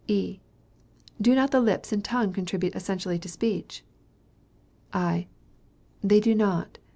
E. Do not the lips and tongue contribute essentially to speech? I. They do not.